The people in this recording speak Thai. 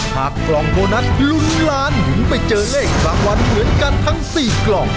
หากกล่องโบนัสรุนลานหยุมไปเจอเลขความหวานเหลือกันทั้ง๔กล่อง